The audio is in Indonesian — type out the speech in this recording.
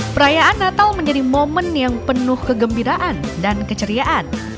perayaan natal menjadi momen yang penuh kegembiraan dan keceriaan